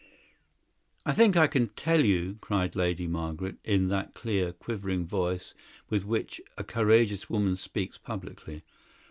"I think I can tell you," cried Lady Margaret, in that clear, quivering voice with which a courageous woman speaks publicly.